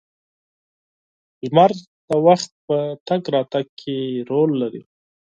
• لمر د وخت په تګ راتګ کې رول لري.